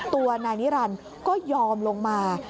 ตัวนายนิรันดิ์ก็ยอมลงมา